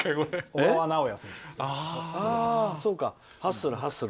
小川直也選手ですよ。